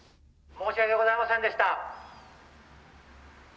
申し訳ございませんでした。